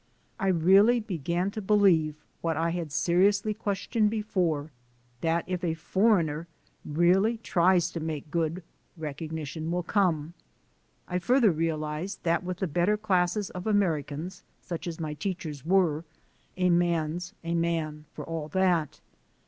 I really began to believe, what I had seriously questioned before, that if a "foreigner" really tries to make good, recognition will come. I further realized that with the better classes of Americans, such as my teachers were, "a man's a man for a' that."